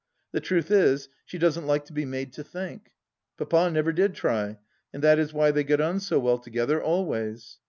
The truth is, she doesn't like to be made to think. Papa never did try, and that is why they got on so well together, always.